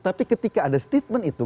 tapi ketika ada statement itu